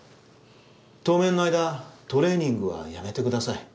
当面の間、トレーニングはやめてください。